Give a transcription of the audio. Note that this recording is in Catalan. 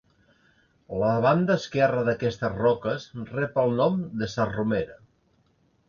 La banda esquerra d'aquestes roques rep el nom de Sa Somera.